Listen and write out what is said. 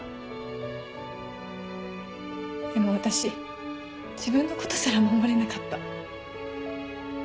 でも私自分のことすら守れなかった。